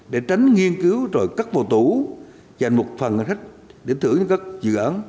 để tránh nghiên cứu rồi cắt vào tủ dành một phần hành khách để thưởng những các dự án